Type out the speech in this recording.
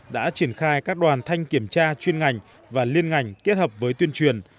đã triển khai các đoàn thanh kiểm tra chuyên ngành và liên ngành kết hợp với tuyên truyền